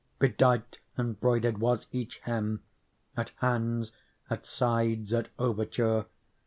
Bedight and broidered was each hem. At hands, at sides, at overture.